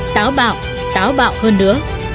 táo bạo táo bạo hơn nữa